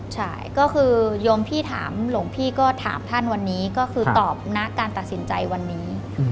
ใช่ก็คือโยมพี่ถามหลวงพี่ก็ถามท่านวันนี้ก็คือตอบนะการตัดสินใจวันนี้